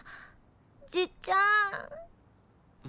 じっちゃん。